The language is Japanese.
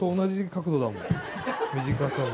短さも。